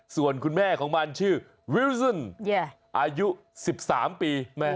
ส่วนคุณแม่ของมันชื่อวิวซึนอายุ๑๓ปี